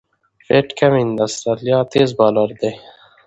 پیټ کمېن د استرالیا تېز بالر دئ.